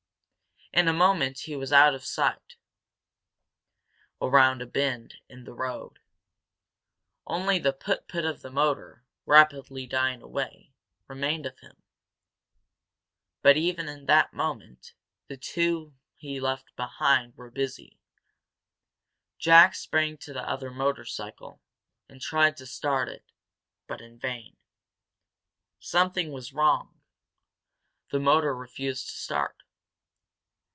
In a moment he was out of sight, around a bend in the road. Only the put put of the motor, rapidly dying away, remained of him. But, even in that moment, the two he left behind him were busy. Jack sprang to the other motorcycle, and tried to start it, but in vain. Something was wrong; the motor refused to start.